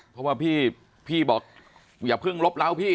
เพราะว่าพี่บอกอย่าเพิ่งลบเล้าพี่